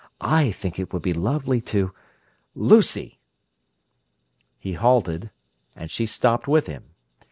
I think it would be lovely to—" "Lucy!" He halted; and she stopped with him.